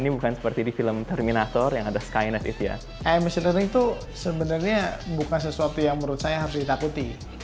masin learning itu sebenarnya bukan sesuatu yang menurut saya harus ditakuti